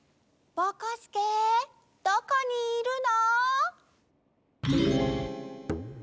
ぼこすけどこにいるの？